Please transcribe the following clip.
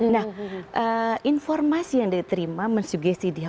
nah informasi yang diterima mensugesi dia